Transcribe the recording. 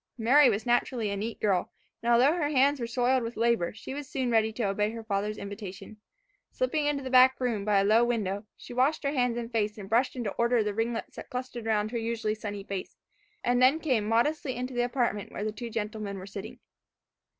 Mary was naturally a neat girl, and although her hands were soiled with labour, she was soon ready to obey her father's invitation. Slipping into the back room, by a low window, she washed her hands and face, and brushed into order the ringlets that clustered around her usually sunny face, and then came modestly into the apartment where the two gentlemen were sitting.